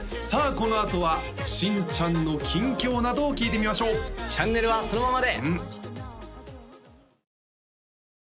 このあとは新ちゃんの近況などを聞いてみましょうチャンネルはそのままで！